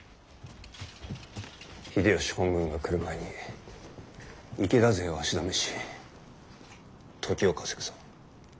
秀吉本軍が来る前に池田勢を足止めし時を稼ぐぞ。